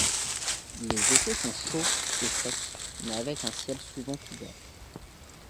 Les étés sont chauds et secs, mais avec un ciel souvent couvert.